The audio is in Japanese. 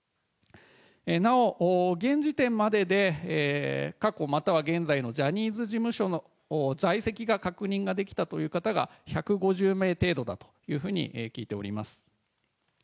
なお現時点までで過去、または現在のジャニーズ事務所に在籍が確認ができたという方が１５０名程度だというふうに聞いております。